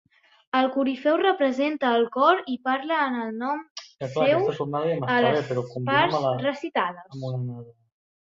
El corifeu representa al cor i parla en nom seu a les parts recitades.